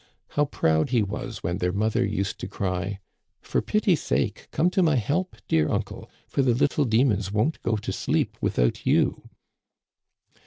How proud he was when their mother used to cry :" For pity sake, come to my help, dear uncle, for the little demons won't go to sleep without you.